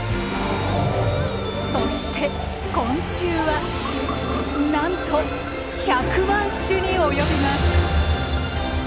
そして昆虫はなんと１００万種に及びます。